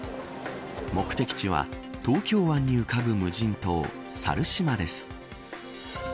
目的地は東京港に浮かぶ無人島、猿島です。